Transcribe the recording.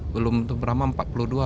belum berapa empat puluh dua